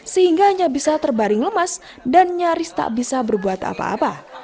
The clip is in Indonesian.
sehingga hanya bisa terbaring lemas dan nyaris tak bisa berbuat apa apa